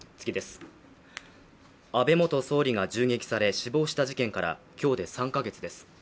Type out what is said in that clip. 安倍元総理が銃撃され死亡した事件から今日で３か月です。